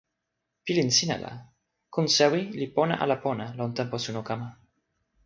pilin sina la kon sewi li pona ala pona lon tenpo suno kama?